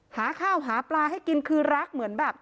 หาข้าวหาปลาให้กินคือรักเหมือนแบบ